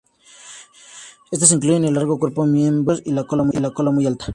Estas incluyen el largo cuerpo, miembros cortos y la cola muy alta.